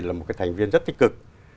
là một cái thành viên rất tích cực